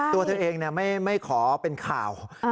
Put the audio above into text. ตัวเธอเองไม่ขอเป็นข่าว